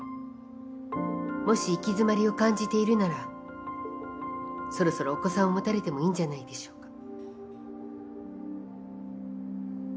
もし行き詰まりを感じているならそろそろお子さんを持たれてもいいんじゃないでしょうか？